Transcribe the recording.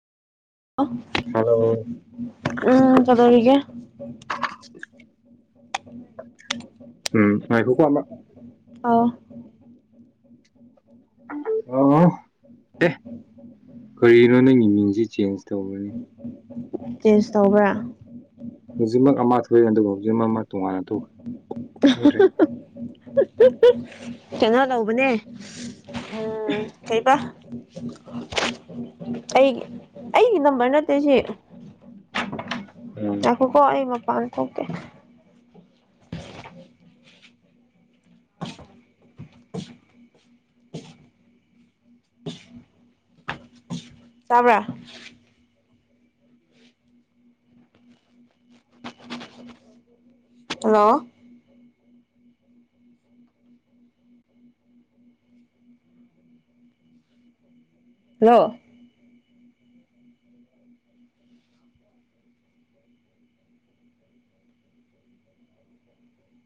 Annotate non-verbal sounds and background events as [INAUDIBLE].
ꯑꯝ ꯍꯜꯂꯣ ꯀꯩꯗꯧꯔꯤꯒꯦ [UNINTELLIGIBLE] ꯎꯝ ꯉꯥꯏꯈꯣꯀꯣ ꯑꯃꯥꯔꯛ ꯑꯥꯎ ꯍꯥꯜꯂꯣ ꯑꯦ ꯀꯔꯤꯅꯣ ꯅꯪꯒꯤ ꯃꯤꯡꯁꯤ ꯆꯦꯟꯖ ꯇꯧꯕꯔꯅꯤ ꯆꯦꯟꯖ ꯇꯧꯕ꯭ꯔꯥ ꯍꯧꯖꯤꯛꯃꯛ ꯑꯃ ꯊꯣꯛꯏ ꯑꯗꯨꯒ ꯍꯧꯖꯤꯛꯃꯛ ꯑꯃ ꯇꯣꯉꯥꯟꯅ ꯇꯧ ꯈꯪꯗ꯭ꯔꯦ ꯀꯩꯅꯣ ꯇꯧꯕꯅꯦ ꯎꯝ ꯀꯩꯕ ꯑꯩꯒꯤ ꯑꯩꯒꯤ ꯅꯝꯕꯔ ꯅꯠ ꯇꯦꯁꯤ [UNINTELLIGIBLE] ꯉꯥꯏꯈꯣꯀꯣ ꯃꯄꯥꯟ ꯊꯣꯛꯀꯦ ꯇꯥꯕ꯭ꯔꯥ ꯍꯜꯂꯣ ꯍꯜꯂꯣ